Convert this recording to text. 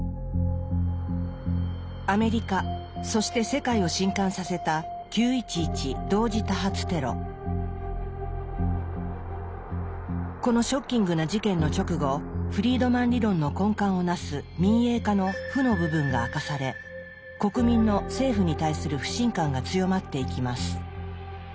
アメリカそして世界を震撼させたこのショッキングな事件の直後フリードマン理論の根幹を成す「民営化」の負の部分が明かされ国民の政府に対する不信感が強まっていきます。